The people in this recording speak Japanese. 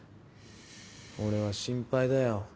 俺は心配だよ。